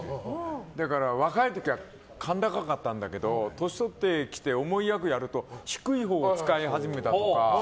だから、若い時はかん高かったんだけど年取ってきて重い役やると低いほうを使い始めたとか。